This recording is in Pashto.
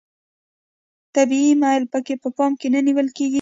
طبیعي میل پکې په پام کې نه نیول کیږي.